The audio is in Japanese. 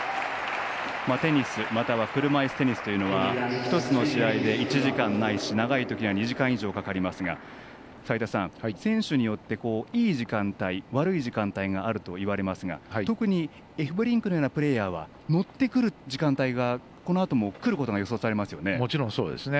テニス、または車いすテニスというのは１つの試合で１時間ないし長いときには２時間以上かかりますが選手によっていい時間帯、悪い時間帯があると言われますが特にエフベリンクのようなプレーヤーは乗ってくる時間帯はこのあとくることが予想されますよね。